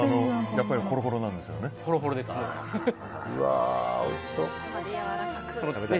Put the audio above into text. やっぱりほろほろなんですよね。